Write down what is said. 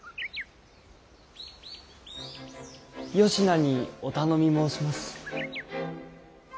よしなにお頼み申します。